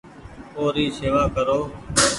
او ري شيوا ڪرو ۔